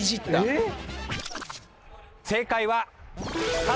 えっ？